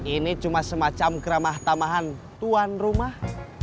ini cuma semacam keramah tamahan tuan rumah